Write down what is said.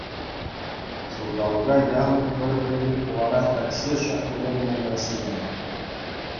Ҫулталӑка яхӑн пӗр пысӑк хулара такси шоферӗ пулса ӗҫлерӗ.